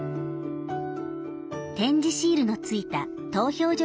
点字シールのついた投票所